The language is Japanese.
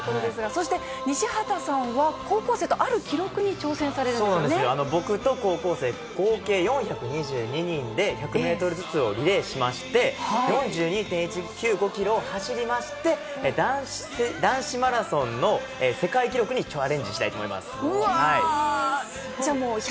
そして、西畑さんは高校生とあるそうなんですよ、僕と高校生、合計４２２人で１００メートルずつをリレーしまして、４２．１９５キロを走りまして、男子マラソンの世界記録にチャレンジしたいと思います。